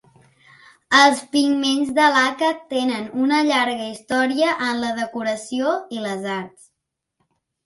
Els pigments de laca tenen una llarga història en la decoració i les arts.